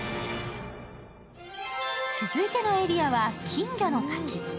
続いてのエリアは、金魚の滝。